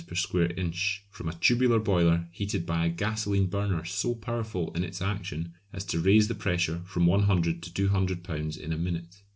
per square inch from a tubular boiler heated by a gasolene burner so powerful in its action as to raise the pressure from 100 to 200 lbs. in a minute.